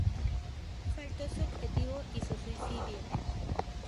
Faltó su objetivo y su suicidio.